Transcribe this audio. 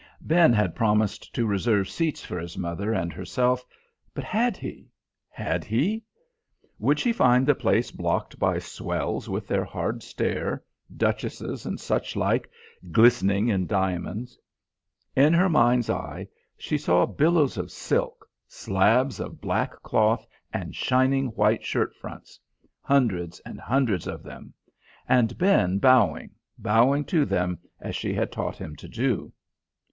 Ben had promised to reserve seats for his mother and herself; but had he? Had he? Would she find the place blocked by swells with their hard stare, duchesses and such like, glistening in diamonds? In her mind's eye she saw billows of silk, slabs of black cloth and shining white shirt fronts hundreds and hundreds of them. And Ben bowing, bowing to them as she had taught him to do.